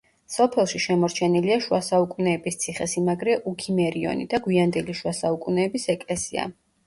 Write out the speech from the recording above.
სოფელში შემორჩენილია შუა საუკუნეების ციხესიმაგრე „უქიმერიონი“ და გვიანდელი შუა საუკუნეების ეკლესია.